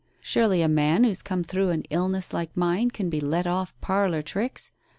Surely a man who's come through an illness like mine can be let off parlour tricks ?